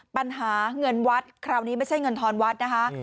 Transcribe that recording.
ปัญหาเงินวัดคราวนี้ไม่ใช่เงินทอนวัดนะคะ